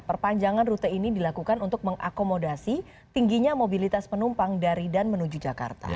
perpanjangan rute ini dilakukan untuk mengakomodasi tingginya mobilitas penumpang dari dan menuju jakarta